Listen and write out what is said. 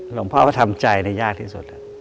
หลวงพ่อว่าทำใจเนี่ยยากที่สุด